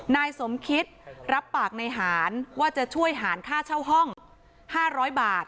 นายสมคิดรับปากในหารว่าจะช่วยหารค่าเช่าห้อง๕๐๐บาท